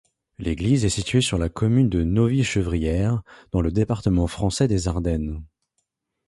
L'église est située sur la commune de Novy-Chevrières, dans le département français des Ardennes.